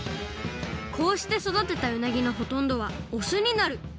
こうして育てたうなぎのほとんどはオスになる。